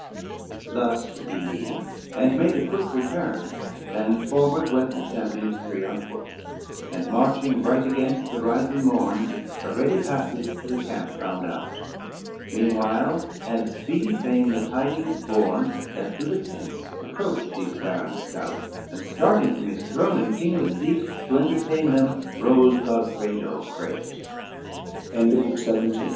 XCVII Thus took he leave, and made a quick return, And forward went the champions three on foot, And marching right against the rising morn A ready passage to the camp found out, Meanwhile had speedy fame the tidings borne That to the tents approached these barons stout, And starting from his throne and kingly seat To